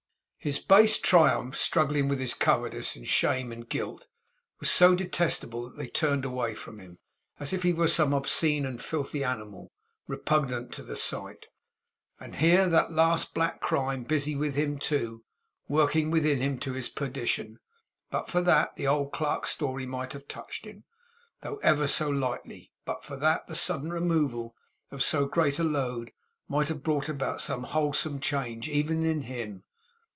His base triumph, struggling with his cowardice, and shame, and guilt, was so detestable, that they turned away from him, as if he were some obscene and filthy animal, repugnant to the sight. And here that last black crime was busy with him too; working within him to his perdition. But for that, the old clerk's story might have touched him, though never so lightly; but for that, the sudden removal of so great a load might have brought about some wholesome change even in him.